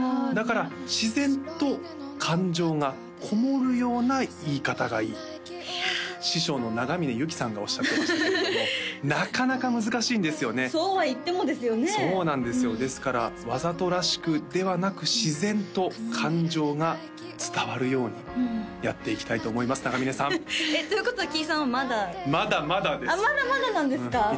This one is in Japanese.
だから自然と感情がこもるような言い方がいい師匠の長峰由紀さんがおっしゃってましたけれどもなかなか難しいんですよねそうはいってもですよねそうなんですよですからわざとらしくではなく自然と感情が伝わるようにやっていきたいと思います長峰さんということはキイさんはまだまだまだですあっまだまだなんですか？